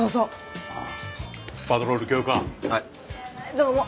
どうも。